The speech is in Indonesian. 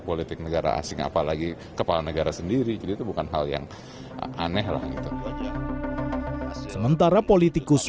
politik negara asing apalagi kepala negara sendiri jadi itu bukan hal yang aneh lah itu aja sementara politikus